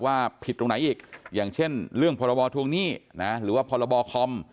ผิดตรงไหนอีกอย่างเช่นเรื่องพรบทวงหนี้นะหรือว่าพรบคอม